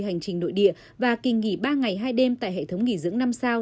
hành trình nội địa và kỳ nghỉ ba ngày hai đêm tại hệ thống nghỉ dưỡng năm sao